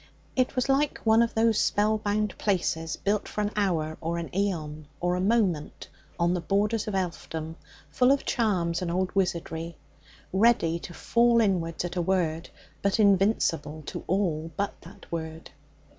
It was like one of those spell bound places built for an hour or an aeon or a moment on the borders of elfdom, full of charms and old wizardry, ready to fall inwards at a word, but invincible to all but that word.